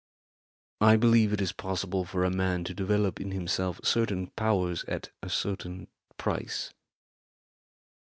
I believe it is possible for a man to develop in himself certain powers at a certain price."